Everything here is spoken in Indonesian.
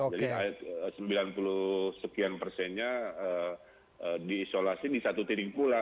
jadi sembilan puluh sekian persennya diisolasi di satu telingpula